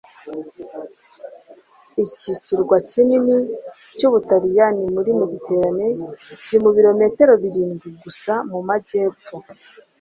Iki kirwa kinini cy'Ubutaliyani muri Mediterane kiri mu bilometero birindwi gusa mu majyepfo